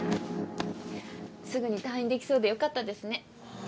すぐに退院できそうでよかったですね。